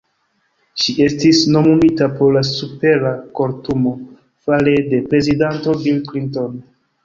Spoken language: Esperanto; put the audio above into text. Ŝi estis nomumita por la Supera Kortumo fare de prezidanto Bill Clinton.